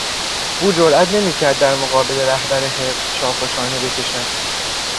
او جرات نمیکرد در مقابل رهبر حزب شاخ و شانه بکشد.